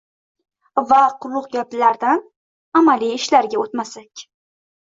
Va quruq gaplardan amaliy ishlarga oʻtmasak.